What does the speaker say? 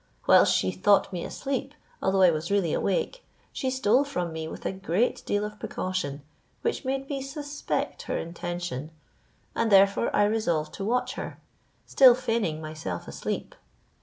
Whilst she thought me asleep, although I was really awake, she stole from me with a great deal of precaution, which made me suspect her intention, and therefore I resolved to watch her, still feigning myself asleep."